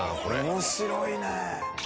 面白いね。